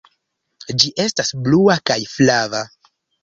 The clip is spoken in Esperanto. Ĝi estas blua kaj flava.